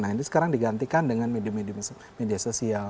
nah ini sekarang digantikan dengan media media sosial